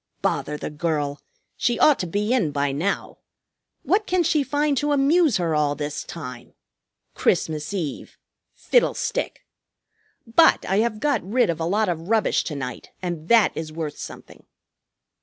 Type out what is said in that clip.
Bother the girl! She ought to be in by now. What can she find to amuse her all this time? Christmas Eve! Fiddlestick! But I have got rid of a lot of rubbish to night, and that is worth something."